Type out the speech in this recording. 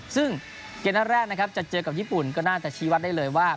ซึ่งเกณฑ์แรกจะเจอกับญี่ปุ่นก็น่าจะชี้วัดได้เลยว่า